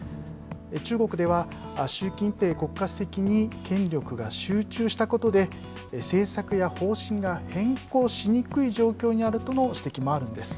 中国では、習近平国家主席に権力が集中したことで、政策や方針が変更しにくい状況にあるとの指摘もあるんです。